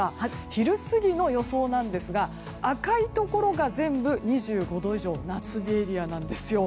昼過ぎの予想ですが赤いところが全部２５度以上夏日エリアなんですよ。